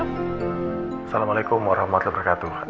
assalamualaikum warahmatullahi wabarakatuh